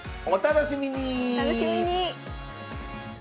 お楽しみに！